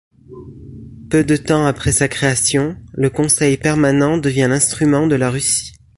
Peu de temps après sa création, le Conseil permanent devient l'instrument de la Russie.